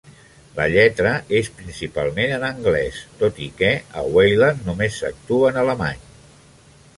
La lletra és principalment en anglès, tot i que a "Weiland" només s'actua en alemany.